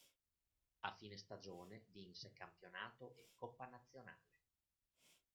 A fine stagione, vinse campionato e coppa nazionale.